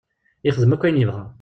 Yexdem akk ayen yebɣa.